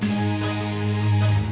kang kau mau apa